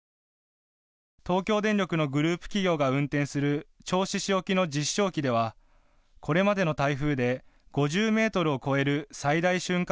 東京電力のグループ企業が運転する銚子市沖の実証機ではこれまでの台風で５０メートルを超える最大瞬間